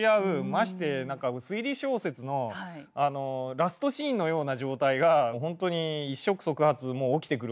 まして推理小説のラストシーンのような状態が本当に一触即発起きてくる訳ですね。